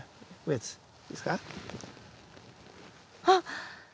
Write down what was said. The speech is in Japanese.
あっ！